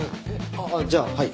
あっじゃあはい。